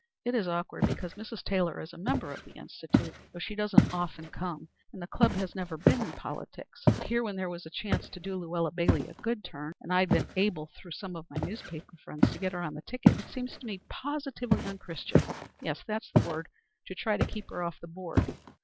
It is awkward because Mrs. Taylor is a member of the Institute, though she doesn't often come, and the club has never been in politics. But here when there was a chance to do Luella Bailey a good turn, and I'd been able through some of my newspaper friends to get her on the ticket, it seems to me positively unchristian yes, that's the word to try to keep her off the board.